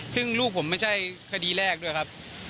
ซึ่งลูกผมไม่ใช่คดีแรกด้วยครับ